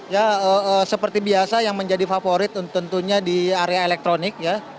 ya seperti biasa yang menjadi favorit tentunya di area elektronik ya